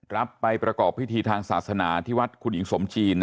รับไปประกอบพิธีทางศาสนาที่วัดคุณหญิงสมจีน